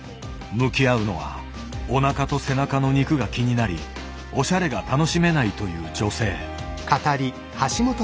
向き合うのはおなかと背中の肉が気になりおしゃれが楽しめないという女性。